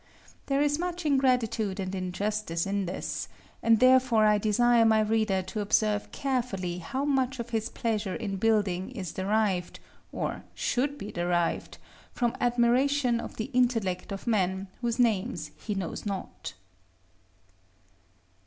There is much ingratitude and injustice in this; and therefore I desire my reader to observe carefully how much of his pleasure in building is derived, or should be derived, from admiration of the intellect of men whose names he knows not.